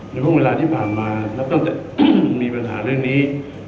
ในพรุ่งเวลาที่ผ่านมาแล้วต้องมีปัญหาเรื่องนี้